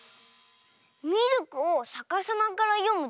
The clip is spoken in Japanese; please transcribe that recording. ミルクをさかさまからよむとくるみ。